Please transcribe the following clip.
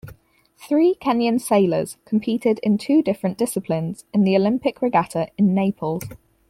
Three Kenyan sailors competed in two different disciplines in the Olympic Regatta in Naples.